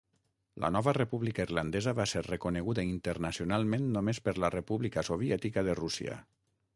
La nova República Irlandesa va ser reconeguda internacionalment només per la República Soviètica de Rússia.